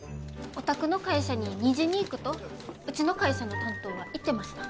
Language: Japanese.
お宅の会社に２時に行くとうちの会社の担当は言ってました。